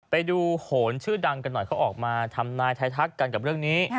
ไปดูโหนชื่อดังกันหน่อยเขาออกมาทำนายไทยทักกันกับเรื่องนี้